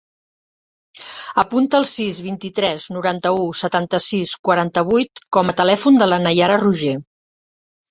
Apunta el sis, vint-i-tres, noranta-u, setanta-sis, quaranta-vuit com a telèfon de la Naiara Roger.